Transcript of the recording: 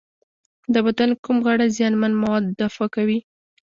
د بدن کوم غړي زیانمن مواد دفع کوي؟